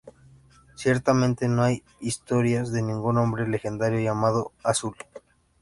Ciertamente, no hay historias de ningún hombre legendario llamado "azul".